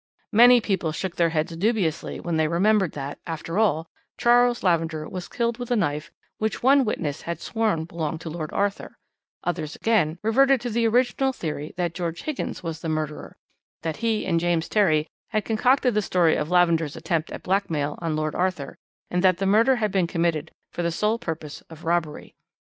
"Many people shook their heads dubiously when they remembered that, after all, Charles Lavender was killed with a knife which one witness had sworn belonged to Lord Arthur; others, again, reverted to the original theory that George Higgins was the murderer, that he and James Terry had concocted the story of Lavender's attempt at blackmail on Lord Arthur, and that the murder had been committed for the sole purpose of robbery.